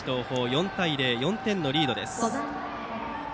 ４対０と４点リードです。